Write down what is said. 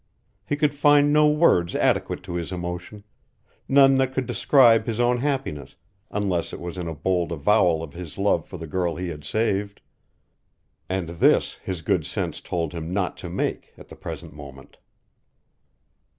He could find no words adequate to his emotion; none that could describe his own happiness, unless it was in a bold avowal of his love for the girl he had saved. And this his good sense told him not to make, at the present moment.